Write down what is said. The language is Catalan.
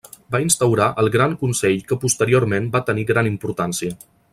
Va instaurar el Gran Consell que posteriorment va tenir gran importància.